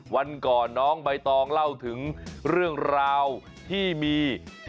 วันก่อนน้องใบตองเล่าถึงเรื่องราวที่มี